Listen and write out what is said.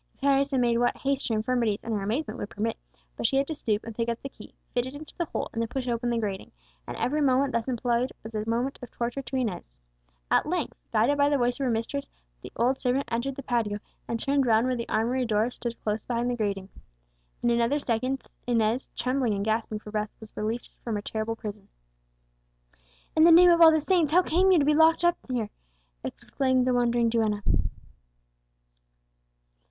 Teresa made what haste her infirmities and her amazement would permit; but she had to stoop and pick up the key, fit it into the hole, and then push open the grating, and every moment thus employed was a moment of torture to Inez. At length, guided by the voice of her mistress, the old servant entered the patio, and turned round where the armoury door stood close behind the grating. In another second Inez, trembling and gasping for breath, was released from her terrible prison. "In the name of all the saints, how came you to be locked up here?" exclaimed the wondering duenna.